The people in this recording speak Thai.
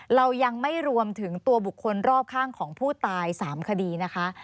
เรายังไม่รวมถึงตัวบุคคลรอบข้างของผู้ตาย๓คดีนะคะ